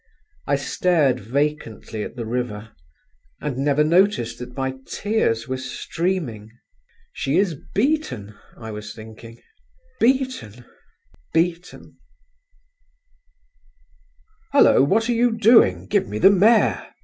I stared vacantly at the river, and never noticed that my tears were streaming. "She is beaten," I was thinking,… "beaten … beaten…." "Hullo! what are you doing? Give me the mare!"